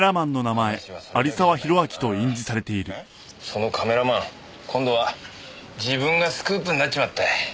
そのカメラマン今度は自分がスクープになっちまった。